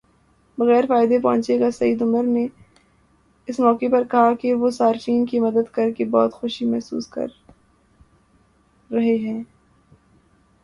بغیر فائدہ پہنچے گا سید عمر نے اس موقع پر کہا کہ وہ صارفین کی مدد کرکے بہت خوشی محسوس کر رہے ہیں